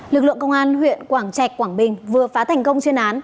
lực lượng công an huyện quảng trạch quảng bình vừa phá thành công chuyên án